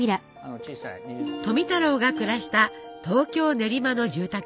富太郎が暮らした東京練馬の住宅。